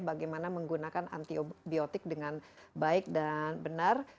bagaimana menggunakan antibiotik dengan baik dan benar